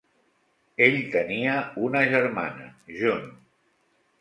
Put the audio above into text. Ell tenia una germana, June.